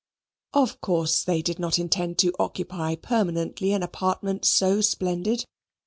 Of course, they did not intend to occupy permanently an apartment so splendid.